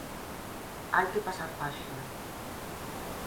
Hai que pasar páxina.